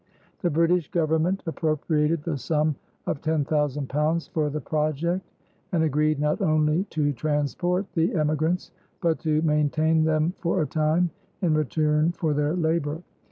The British Government appropriated the sum of £10,000 for the project and agreed not only to transport the emigrants but to maintain them for a time in return for their labor.